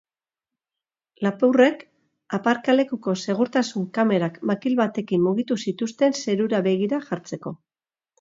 Lapurrek aparkalekuko segurtasun kamerak makil batekin mugitu zituzten zerura begira jartzeko.